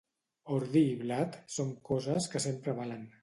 Ordi i blat són coses que sempre valen.